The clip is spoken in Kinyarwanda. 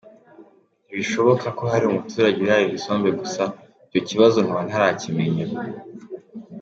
Ntibishoboka ko hari umuturage urarira isombe gusa, icyo kibazo nkaba ntarakimenya.